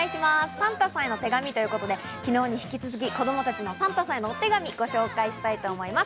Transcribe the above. サンタさんへの手紙ということで、昨日に引き続き子供たちのサンタさんへのお手紙をご紹介したいと思います。